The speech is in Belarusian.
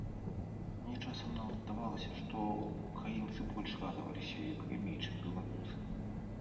Мне часам нават здавалася, што ўкраінцы больш радаваліся яе прэміі, чым беларусы.